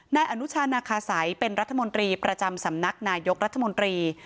นายอนุชานาคาสัยเป็นรัฐมนตรีประจำสำนักนายกรัฐมนตรี